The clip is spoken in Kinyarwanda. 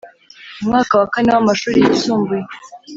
umwaka wa kane w’amashuri yisumbuye,